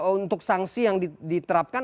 untuk sangsi yang diterapkan